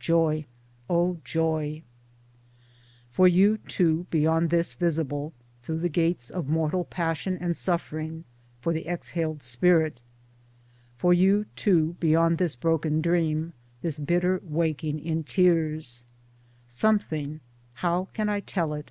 [Joy, O joy !] For you, too, beyond this visible — through the gates of mortal passion and suffering — for the exhaled spirit, For you, too, beyond this broken dream, this bitter waking in tears, Something — how can I tell it?